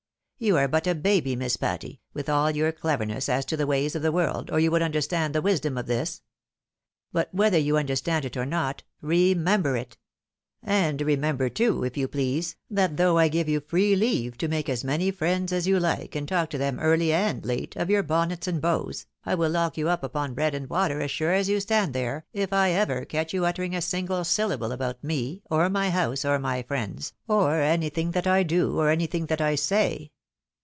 You are but a baby. Miss Patty, with all your cleverness, as to the ways of the world, or you would understand the wisdom of tins. But whether you understand it or not, remkmbee it ; and remember, too, if you please, that though I give you free leave to make as many friends as you like, and to talk to them early and late, of your bonnets and beaux, I will lock you up upon bread and water, ' as sure as you stand here, if I ever catch you uttering a single A EEJECTED SUIT. 197 syllable about me, or my house, or my friends, or anything that I do, or anything that I say.